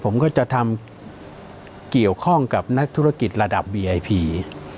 ผมก็จะทำเกี่ยวข้องกับนักธุรกิจระดับบีไอพี